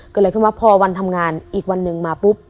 เกิดอะไรขึ้นวะพอวันทำงานอีกวันหนึ่งมาปุ๊บ